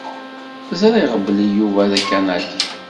Ẓriɣ belli Yuba d Akanadi.